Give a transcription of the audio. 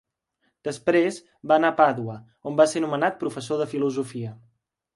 Després va anar a Pàdua on va ser nomenat professor de filosofia.